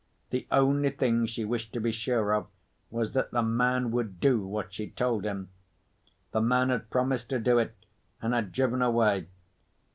The only thing she wished to be sure of was that the man would do what she told him. The man had promised to do it, and had driven away.